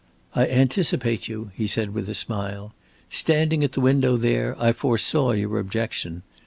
"I anticipate you," he said, with a smile. "Standing at the window there, I foresaw your objection.